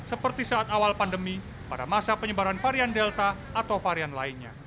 seperti saat awal pandemi pada masa penyebaran varian delta atau varian lainnya